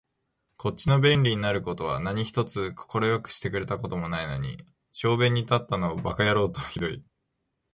こっちの便利になる事は何一つ快くしてくれた事もないのに、小便に立ったのを馬鹿野郎とは酷い